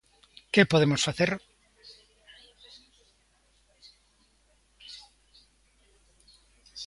Que podemos facer?